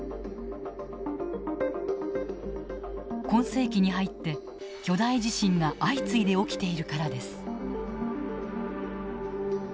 今世紀に入って巨大地震が相次いで起きているからです。